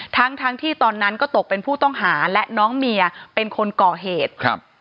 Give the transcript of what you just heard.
ทั้งทั้งที่ตอนนั้นก็ตกเป็นผู้ต้องหาและน้องเมียเป็นคนก่อเหตุครับ